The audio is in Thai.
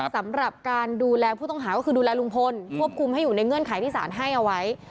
สำหรับการดูแลผู้ต้องหาก็คือดูแลลุงพลควบคุมให้อยู่ในเงื่อนไขที่สารให้เอาไว้